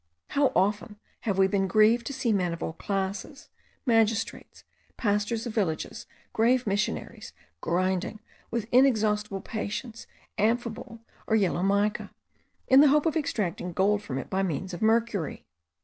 How often have we been grieved to see men of all classes, magistrates, pastors of villages, grave missionaries, grinding, with inexhaustible patience, amphibole, or yellow mica, in the hope of extracting gold from it by means of mercury!